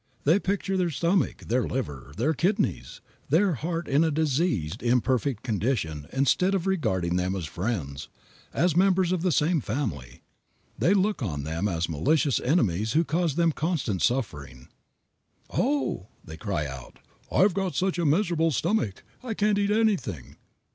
They picture their stomach, their liver, their kidneys, their heart in a diseased, imperfect condition. Instead of regarding them as friends, as members of the same family, they look on them as malicious enemies who cause them constant suffering. "Oh," they cry out, "I've got such a miserable stomach! I can't eat anything.